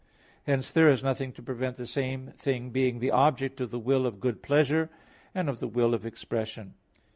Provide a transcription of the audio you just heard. Hence there is nothing to prevent the same thing being the object of the will of good pleasure, and of the will of expression.